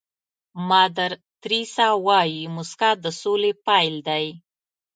مادر تیریسا وایي موسکا د سولې پيل دی.